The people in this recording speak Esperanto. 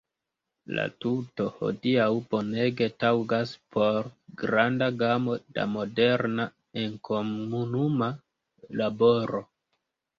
La tuto hodiaŭ bonege taŭgas por granda gamo da moderna enkomunuma laboro.